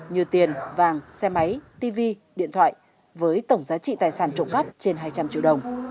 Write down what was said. như tiền vàng xe máy tv điện thoại với tổng giá trị tài sản trộm cắp trên hai trăm linh triệu đồng